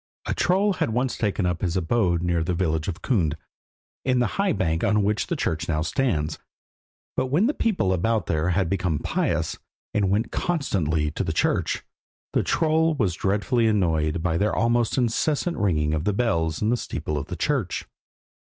A troll had once taken up his abode near the village of Kund, in the high bank on which the church now stands, but when the people about there had become pious, and went constantly to church, the troll was dreadfully annoyed by their almost incessant ringing of bells in the steeple of the church.